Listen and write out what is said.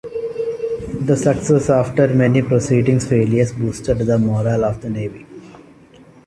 The success, after many preceding failures, boosted the morale of the navy.